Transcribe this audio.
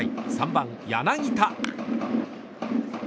３番、柳田。